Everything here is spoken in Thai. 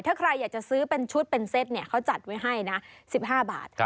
ถ้าใครอยากจะซื้อเป็นชุดเป็นเซ็ตเขาจัดไว้ให้นะ๑๕บาท